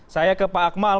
saya ke pak akmal